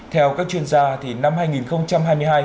theo các chuyên gia thì năm hai nghìn hai mươi hai